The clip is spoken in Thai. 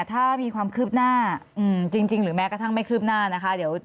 ถ้ามีความคืบหน้าจริงหรือแม้กระทั่งไม่คืบหน้านะคะ